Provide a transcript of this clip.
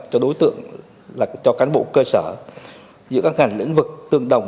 cho đối tượng cho cán bộ cơ sở giữa các ngành lĩnh vực tương đồng